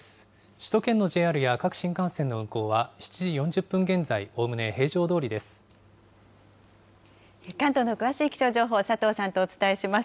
首都圏のＪＲや各新幹線の運行は、７時４０分現在、おおむね平常ど関東の詳しい気象情報、佐藤さんとお伝えします。